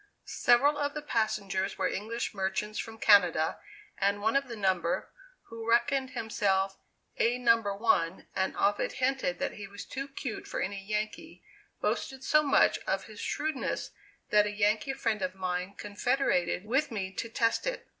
Several of the passengers were English merchants from Canada and one of the number, who reckoned himself "A, No. 1," and often hinted that he was too 'cute for any Yankee, boasted so much of his shrewdness that a Yankee friend of mine confederated with me to test it.